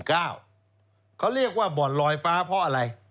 เขาเรียกว่าบ่อนลอยฟ้าเพราะอะไร